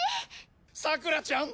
さくらちゃん